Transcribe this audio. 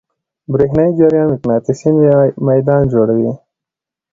برېښنایی جریان مقناطیسي میدان جوړوي.